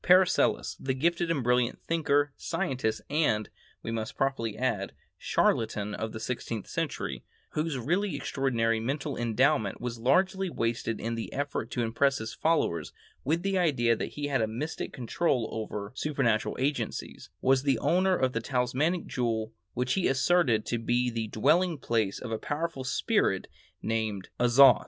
Paracelsus, the gifted and brilliant thinker, scientist, and, we must probably add, charlatan of the sixteenth century, whose really extraordinary mental endowment was largely wasted in the effort to impress his followers with the idea that he had a mystic control over supernatural agencies, was the owner of a talismanic jewel which he asserted to be the dwelling place of a powerful spirit named "Azoth."